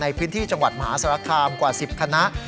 ในพื้นที่จังหวัดมหาสารคามกว่า๑๐คณะ